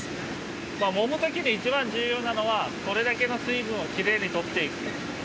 もむときに一番重要なのはどれだけの水分をきれいに取っていくか。